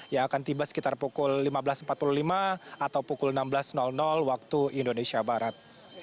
yang akan tiba sekitar pukul lima belas empat puluh lima atau pukul enam belas waktu indonesia barat